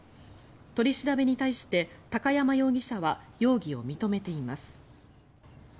取り調べに対して高山容疑者は容疑を認めています。